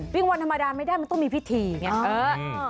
วิ่งวอนธรรมดาไม่ได้มันต้องมีพิธีอย่างนี้